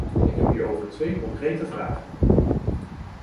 Ik heb hierover twee concrete vragen.